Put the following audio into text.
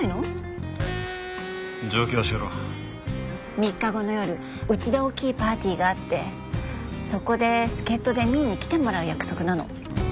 ３日後の夜うちで大きいパーティーがあってそこで助っ人で美依に来てもらう約束なの。